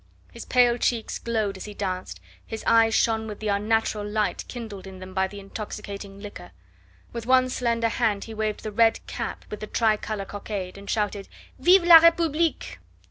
His pale cheeks glowed as he danced, his eyes shone with the unnatural light kindled in them by the intoxicating liquor; with one slender hand he waved the red cap with the tricolour cockade, and shouted "Vive la Republique!"